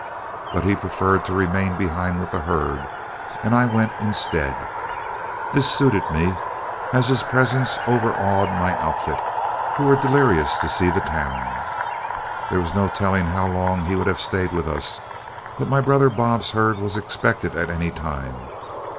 But he preferred to remain behind with the herd, and I went instead. This suited me, as his presence overawed my outfit, who were delirious to see the town. There was no telling how long he would have stayed with us, but my brother Bob's herd was expected at any time.